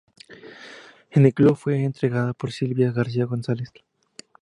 En el club fue entrenada por Sylvia García González.